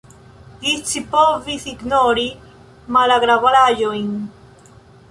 Li scipovis ignori malagrablaĵojn.